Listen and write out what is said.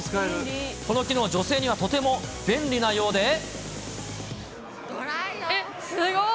この機能、女性にはとても便利なえっ、すごい。